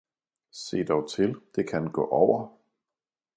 Se dog til, det kan gå over!